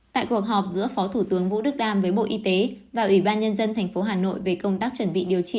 tại cuộc họp giữa phó thủ tướng vũ đức đam với bộ y tế và ủy ban nhân dân tp hà nội về công tác chuẩn bị điều trị